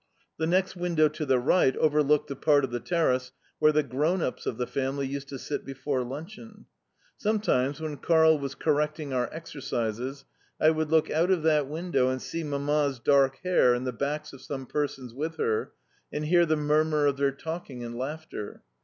The next window to the right overlooked the part of the terrace where the "grownups" of the family used to sit before luncheon. Sometimes, when Karl was correcting our exercises, I would look out of that window and see Mamma's dark hair and the backs of some persons with her, and hear the murmur of their talking and laughter.